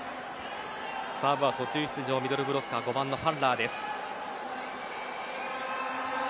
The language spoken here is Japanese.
サーブは途中出場ミドルブロッカー５番の選手です。